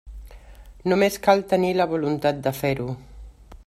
Només cal tenir la voluntat de fer-ho.